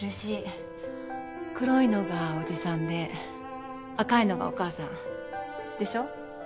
黒いのが伯父さんで赤いのがお母さんでしょ？